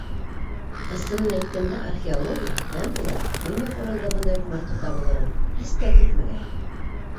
Ысынын әйткәндә, археология, фән булараҡ, Көньяҡ Уралда бындай ҡомартҡы табылырын һис тә көтмәгәйне.